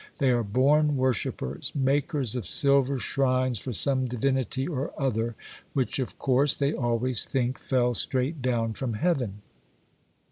They are born worshippers,—makers of silver shrines for some divinity or other, which, of course, they always think fell straight down from heaven.